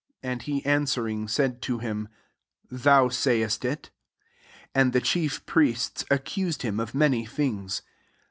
'* And he answering, said to himj " Thou sayest it. 3 Ai)d the chief nriests accused hiin of many things.